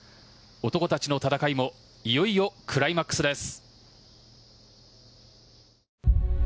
男たちの戦いもいよいよクライマックスです。